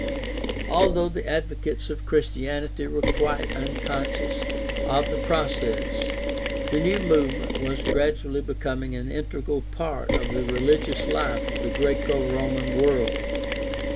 Although the advocates of Christianity were quite unconscious of the process, the new movement was gradually becoming an integral part of the religious life of the Graeco Roman world.